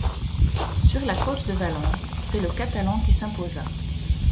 Sur la côte de Valence c'est le catalan qui s'imposa.